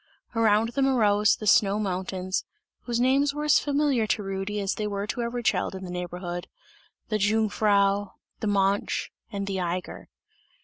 Around them arose the snow mountains, whose names were as familiar to Rudy as they were to every child in the neighbourhood: "the Jungfrau," "the Mönch," and "the Eiger."